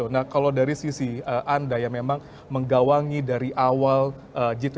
nah kalau dari sisi anda yang memang menggawangi dari awal jit ketua